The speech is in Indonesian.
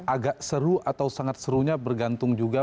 agak seru atau sangat serunya bergantung juga